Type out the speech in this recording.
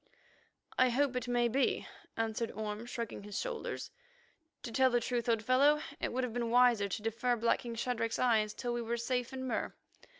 "I hope it may be," answered Orme, shrugging his shoulders. "To tell the truth, old fellow, it would have been wiser to defer blacking Shadrach's eyes till we were safe in Mur.